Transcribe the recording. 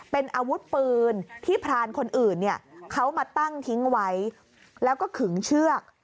เป็นอาวุธปืนที่พรานคนอื่นเนี่ยเขามาตั้งทิ้งไว้แล้วก็ขึงเชือก